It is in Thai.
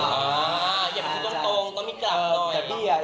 อย่าอยากมีตรง